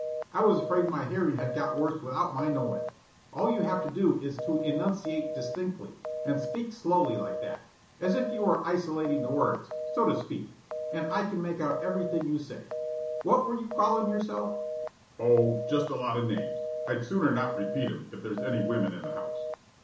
"I was 'afraid my hearing had got worse without my knowing it. All you have to do is to enunciate distinctly and speak slowly like that, as if you were isolating the words, so to speak, and I can make out everything you say. What were you calling yourself?" "Oh, just a lot of names. I'd sooner not repeat 'em if there's any women in the house."